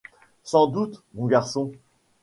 Sans doute, mon garçon !